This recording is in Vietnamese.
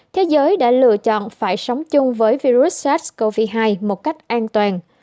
thế giới đã lựa chọn phải sống chung với virus sars cov hai một cách an toàn